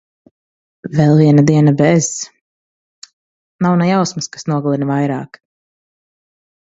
Vēl viena diena bez... Nav ne jausmas, kas nogalina vairāk...